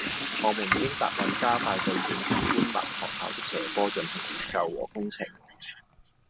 我們已答允加快對影響官立學校的斜坡進行研究和工程